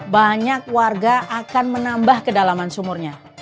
banyak warga akan menambah kedalaman sumurnya